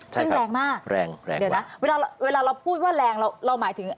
ซึ่งแรงมากแรงแรงเดี๋ยวนะเวลาเราพูดว่าแรงเราหมายถึง